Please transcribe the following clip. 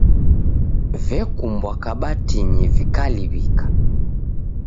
Vekumbwa kabatinyi vikaliw'ika.